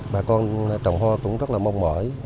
bà con trồng hoa cũng rất là mong mỏi